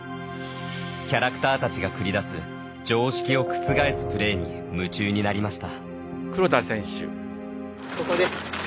キャラクターたちが繰り出す常識を覆すプレーに夢中になりました。